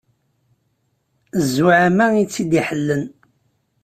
Zzuɛama i tt-id-iḥellen.